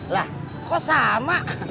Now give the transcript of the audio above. lah kok sama